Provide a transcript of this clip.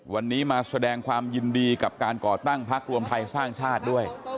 วันนี้มาแสดงความยินดีกับการก่อตั้งพักรวมไทยสร้างชาติด้วย